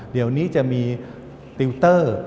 เดี๋ยวนี้จะมีติวเตอร์